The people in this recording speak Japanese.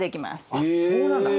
あっそうなんだ。